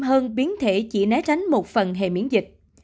hơn biến thể chỉ né tránh một phần hề miễn dịch